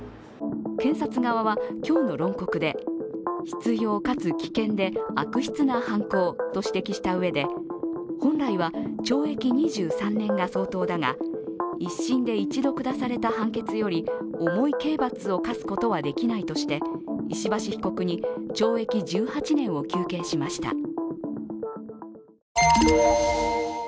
検察側は今日の論告で執ようかつ危険で悪質な犯行と指摘したうえで本来は懲役２３年が相当だが１審で一度下された判決より、重い刑罰を科すことはできないとして石橋被告に懲役１８年を求刑しました。